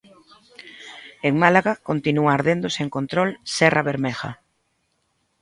En Málaga continúa ardendo sen control Serra Bermeja.